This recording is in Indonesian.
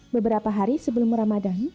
beberapa hari sebelum ramadan